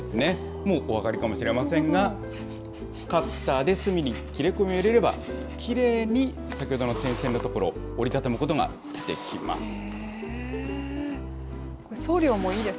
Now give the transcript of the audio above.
もうお分かりかもしれませんが、カッターで隅に切れ込みを入れれば、きれいに先ほどの点線の所、折り畳むことができます。